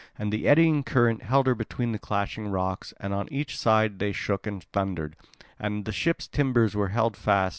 And the eddying current held her between the clashing rocks; and on each side they shook and thundered; and the ship's timbers were held fast.